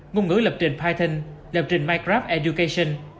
ngôn ngữ lập trình python lập trình minecraft education